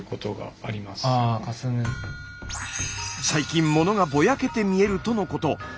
最近ものがぼやけて見えるとのこと。